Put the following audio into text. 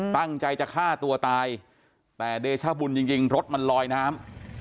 ตั้งใจจะฆ่าตัวตายแต่เดชบุญจริงรถมันลอยน้ำ